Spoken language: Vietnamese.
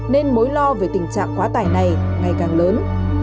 nên mối lo về tình trạng quá tải này ngày càng lớn